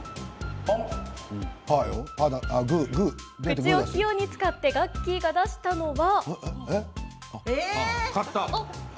口を器用に使ってガッキーが出したのは。